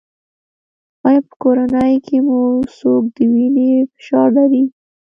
ایا په کورنۍ کې مو څوک د وینې فشار لري؟